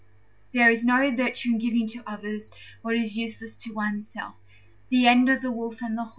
There is no virtue in giving to others what is useless to oneself. THE BAT, THE BRAMBLE, AND THE SEAGUL